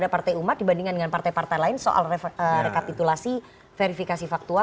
kepada partai umat dibandingkan dengan partai partai lain soal rekapitulasi verifikasi faktual